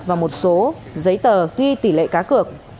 và một số giấy tờ ghi tỷ lệ cá cược